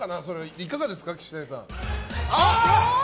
いかがですか？